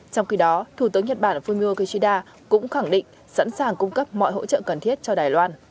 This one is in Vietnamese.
trong khi đó thủ tướng nhật bản fumio kishida cũng khẳng định sẵn sàng cung cấp mọi hỗ trợ cần thiết cho đài loan